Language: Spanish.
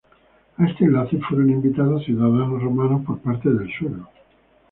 A este enlace fueron invitados ciudadanos romanos por parte del suegro.